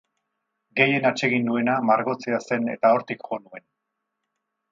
Gehien atsegin nuena margotzea zen eta hortik jo nuen.